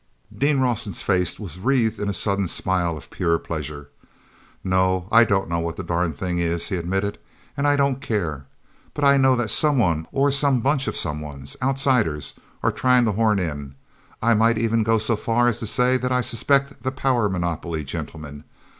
ean Rawson's face was wreathed in a sudden smile of pure pleasure. "No, I don't know what the darn thing is," he admitted. "And I don't care. But I know that someone, or some bunch of someones—outsiders—are trying to horn in. I might even go so far as to say that I suspect the power monopoly gentlemen.